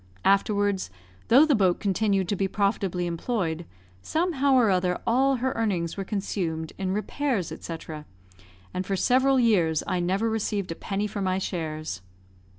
Afterwards, though the boat continued to be profitably employed, somehow or other all her earnings were consumed in repairs, &c., and for several years I never received a penny for my shares.